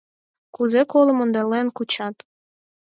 — Кузе колым ондален кучат.